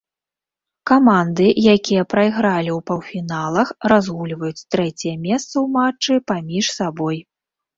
Каманды, якія прайгралі ў паўфіналах, разгульваюць трэцяе месца ў матчы паміж сабой.